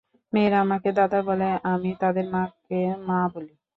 মেয়েরা আমাকে দাদা বলে, আমি তাদের মাকে মা বলি।